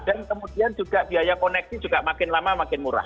dan kemudian juga biaya koneksi juga makin lama makin murah